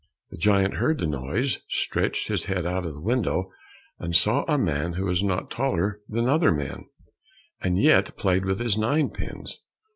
The giant heard the noise, stretched his head out of the window, and saw a man who was not taller than other men, and yet played with his nine pins.